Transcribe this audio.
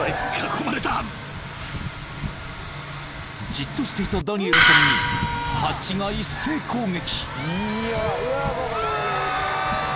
［じっとしていたダニエルさんに蜂が一斉攻撃］